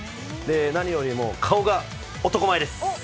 何よりも顔が男前です。